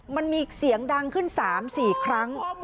มันมีเสียงดังขึ้น๓๔ครั้ง